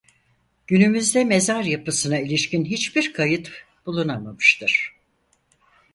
Günümüzde mezar yapısına ilişkin hiçbir kayıt bulunamamıştır.